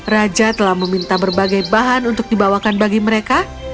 raja telah meminta berbagai bahan untuk dibawakan bagi mereka